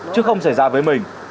chứ không xảy ra với mình